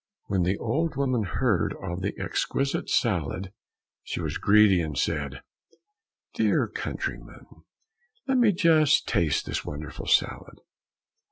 When the old woman heard of the exquisite salad, she was greedy, and said, "Dear countryman, let me just taste this wonderful salad."